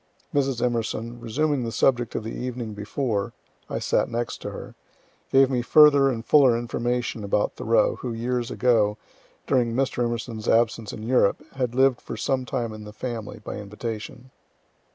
Mrs. Emerson, resuming the subject of the evening before, (I sat next to her,) gave me further and fuller information about Thoreau, who, years ago, during Mr. E.'s absence in Europe, had lived for some time in the family, by invitation.